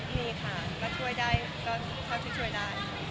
มีค่ะก็ช่วยได้เขาช่วยได้